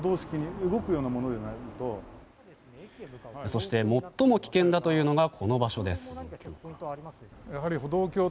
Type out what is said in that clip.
そして、最も危険だというのがこの場所です。